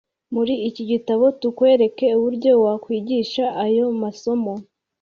Muri iki gitabo tukwereka uburyo wakwigisha ayo masomo